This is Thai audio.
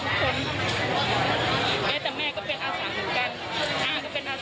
รักงานอาสาพ่อที่ก่อนรักงานอาสาทุกคน